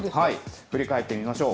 振り返ってみましょう。